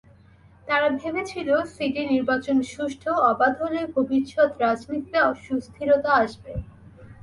তারা ভেবেছিল, সিটি নির্বাচন সুষ্ঠু, অবাধ হলে ভবিষ্যৎ রাজনীতিতে সুস্থিরতা আসবে।